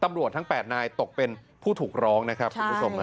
ตำรวจทั้ง๘นายตกเป็นผู้ถูกร้องนะครับคุณผู้ชม